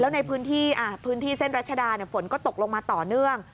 แล้วในพื้นที่พื้นที่เส้นรัชดาฝนก็ตกลงมาต่อเนื่อง